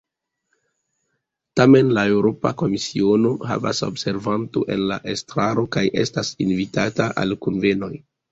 Tamen, la Eŭropa Komisiono havas observanton en la estraro kaj estas invitata al kunvenoj.